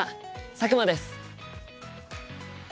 佐久間です。